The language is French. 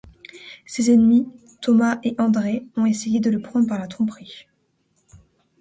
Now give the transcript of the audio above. Ses ennemis, Tomas et Andres ont essayé de le prendre par la tromperie.